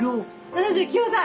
７９歳。